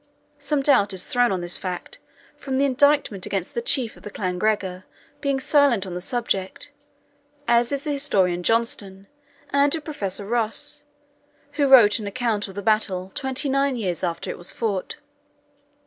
Some doubt is thrown on this fact, from the indictment against the chief of the clan Gregor being silent on the subject, as is the historian Johnston, and a Professor Ross, who wrote an account of the battle twenty nine years after it was fought.